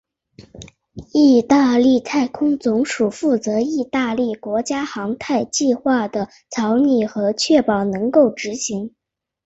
义大利太空总署负责义大利国家级航太计划的草拟和确保能够执行。